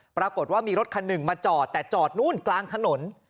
ปรากฏว่ามีรถคันหนึ่งมาจอดแต่จอดนู่นกลางถนน